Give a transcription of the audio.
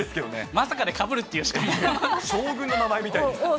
まさかでかぶるっていう、将軍の名前みたいです。